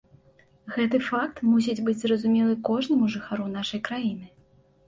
Гэты факт мусіць быць зразумелы кожнаму жыхару нашай краіны.